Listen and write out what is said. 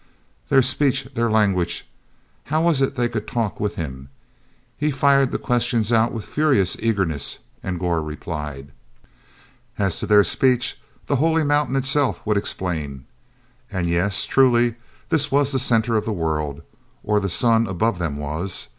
Their speech—their language—how was it they could talk with him? He fired the questions out with furious eagerness, and Gor replied. As to their speech—the Holy Mountain itself would explain. And yes, truly, this was the center of the world, or the sun above them was.